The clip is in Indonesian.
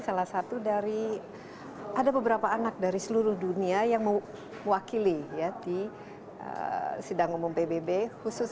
salah satu dari ada beberapa anak dari seluruh dunia yang mewakili ya di sidang umum pbb khusus